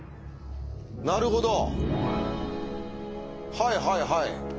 はいはいはい。